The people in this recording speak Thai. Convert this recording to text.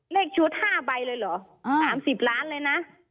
เลขชุด๕ใบเลยเหรอ๓๐ล้านเลยนะ